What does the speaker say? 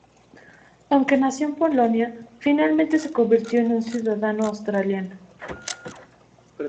Aunque nació en Polonia, finalmente se convirtió en un ciudadano australiano.